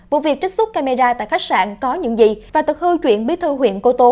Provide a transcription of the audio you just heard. vụ việc trích xuất camera tại khách sạn có những gì và tật hư chuyện bí thư huyện cô tô